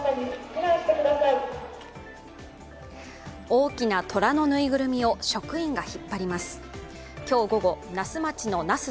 大きなトラのぬいぐるみを職員が引っ張ります。